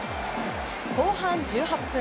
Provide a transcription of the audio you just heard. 後半１８分。